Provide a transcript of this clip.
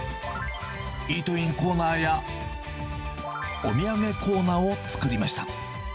イートインコーナーや、お土産コーナーを作りました。